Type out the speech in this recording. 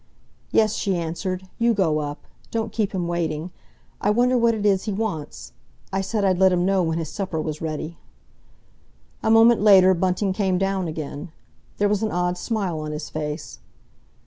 "Yes," she answered, "you go up! Don't keep him waiting! I wonder what it is he wants? I said I'd let him know when his supper was ready." A moment later Bunting came down again. There was an odd smile on his face.